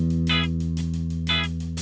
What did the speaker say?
aku mau panggil nama atu